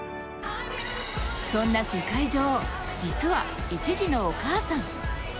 そんな世界女王、実は１児のお母さん。